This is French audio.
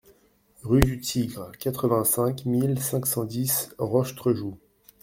Rue du Tigre, quatre-vingt-cinq mille cinq cent dix Rochetrejoux